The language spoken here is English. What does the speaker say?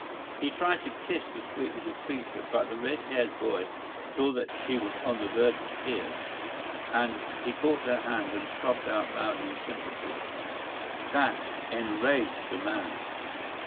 He tried to kiss the sweet little creature, but the red haired boy saw that she was on the verge of tears, and he caught her hand and sobbed out loud in sympathy. That enraged the man.